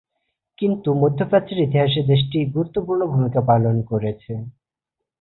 কিন্তু মধ্যপ্রাচ্যের ইতিহাসে দেশটি গুরুত্বপূর্ণ ভূমিকা পালন করেছে।